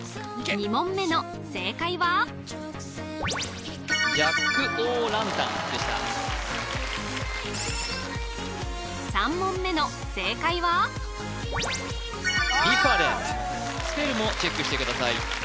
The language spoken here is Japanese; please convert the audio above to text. ２問目の正解は３問目の正解はスペルもチェックしてください